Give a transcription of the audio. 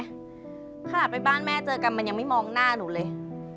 ขนาดไปบ้านแม่เจอกันมันยังไม่มองหน้าหนูเลย